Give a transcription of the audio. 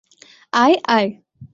আয়, আয়।